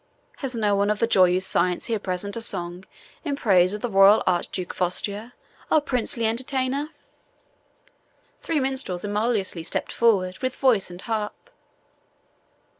Has no one of the joyeuse science here present a song in praise of the royal Archduke of Austria, our princely entertainer?" Three minstrels emulously stepped forward with voice and harp.